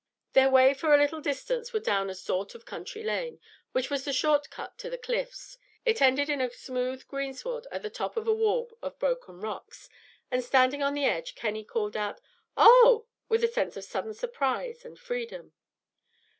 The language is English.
Their way for a little distance was down a sort of country lane, which was the short cut to the Cliffs. It ended in a smooth greensward at the top of a wall of broken rocks; and, standing on the edge, Cannie called out, "Oh!" with a sense of sudden surprise and freedom.